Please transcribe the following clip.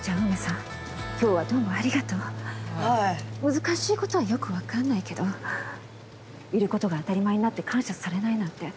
難しいことはよく分かんないけどいることが当たり前になって感謝されないなんて